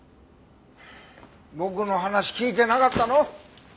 僕の話聞いてなかったの？